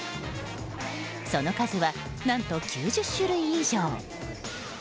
その数は何と９０種類以上。